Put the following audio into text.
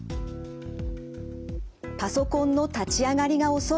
パソコンの立ち上がりが遅い。